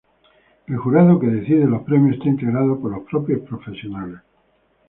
El jurado que decide los premios está integrado por los propios profesionales.